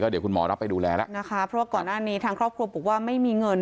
เดี๋ยวคุณหมอรับไปดูแลแล้วนะคะเพราะว่าก่อนหน้านี้ทางครอบครัวบอกว่าไม่มีเงิน